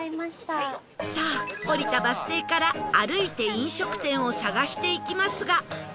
さあ降りたバス停から歩いて飲食店を探していきますが